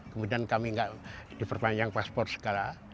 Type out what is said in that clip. kemudian kami tidak diperpanjang paspor segala